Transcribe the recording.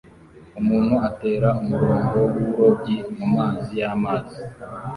Umuntu atera umurongo w'uburobyi mumazi y'amazi